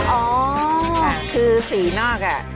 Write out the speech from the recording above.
ค่ะคือสีนอกอ่ะ